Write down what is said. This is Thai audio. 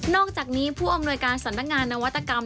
อกจากนี้ผู้อำนวยการสำนักงานนวัตกรรม